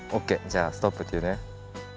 じゃあストップっていうね。